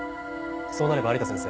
そうなれば有田先生